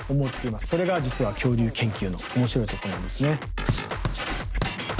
それが実は恐竜研究の面白いところなんですね。